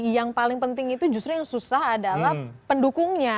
yang paling penting itu justru yang susah adalah pendukungnya